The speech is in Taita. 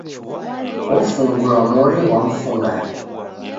Ofungulwa mori ghwa mfungade.